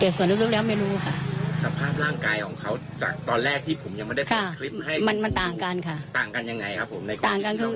แต่ส่วนลูกแล้วไม่รู้ค่ะ